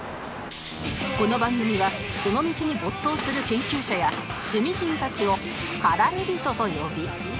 この番組はその道に没頭する研究者や趣味人たちを「駆られ人」と呼び